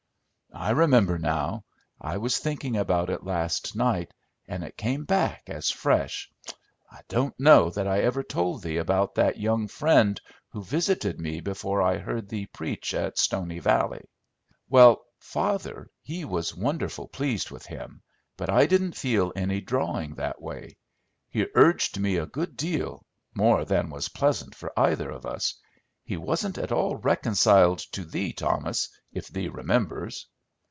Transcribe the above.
I remember now, I was thinking about it last night, and it all came back as fresh I don't know that I ever told thee about that young Friend who visited me before I heard thee preach at Stony Valley? Well, father, he was wonderful pleased with him, but I didn't feel any drawing that way. He urged me a good deal, more than was pleasant for either of us. He wasn't at all reconciled to thee, Thomas, if thee remembers."